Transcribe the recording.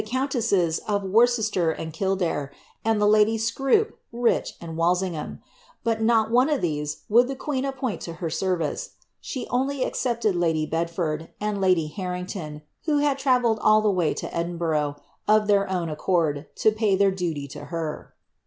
countesses of Worcester and Kil dare, and ihe ladies Scrope. Ilich, ai.J Walsingham. but not one of these would the queen appoint to her seri ice. She only accepted lady Bedford, and lady Harrington, who had traveiie.i all the way to Edinburgh, of their own accord, to pay their duly to her.